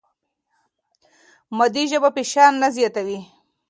مادي ژبه فشار نه زیاتوي.